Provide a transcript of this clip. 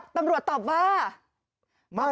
ตำรวจตอบว่า